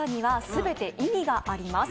全て意味があります。